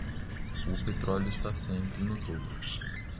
O petróleo está sempre no topo.